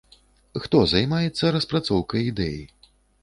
Хто займаецца распрацоўкай ідэі?